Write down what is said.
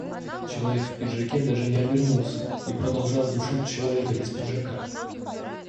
Человек в пиджаке даже не обернулся и продолжал душить человека без пиджака.